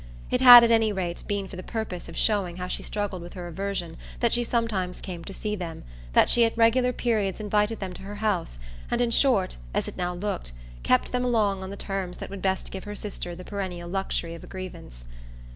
It had at any rate been for the purpose of showing how she struggled with her aversion that she sometimes came to see them, that she at regular periods invited them to her house and in short, as it now looked, kept them along on the terms that would best give her sister the perennial luxury of a grievance.